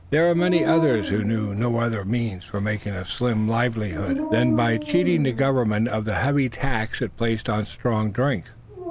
There were many others who knew no other means for making a slim livelihood, than by cheating the Government of the heavy tax it placed on strong drink.